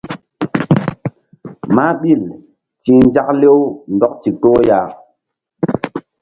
Mah ɓil ti̧h nzak lew ndɔk ndikpoh ya.